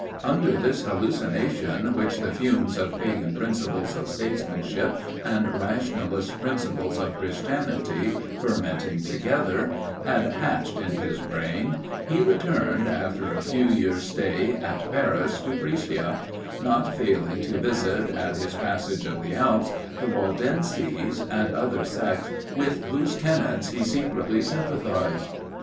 Under this hallucination, which the fumes of pagan principles of statesmanship and rationalist principles of Christianity, fermenting together, had hatched in his brain, he returned, after a few years' stay at Paris, to Brescia; not failing to visit, at his passage of the Alps, the Waldenses, and other sects, with whose tenets he secretly sympathized.